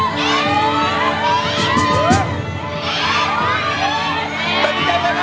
มีถุงช่วยนะคะใจแล้วค่อยคิด